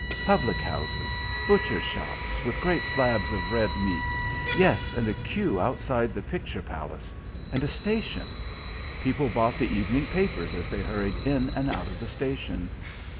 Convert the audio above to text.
Public houses.... Butchers' shops with great slabs of red meat.... Yes, and a queue outside the picture palace and a station; people bought the evening papers as they hurried in and out of the station.